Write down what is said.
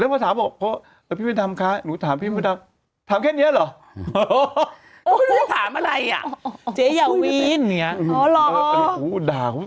ไม่มีใครกล้าคุยกับคุณแม่เลยค่ะ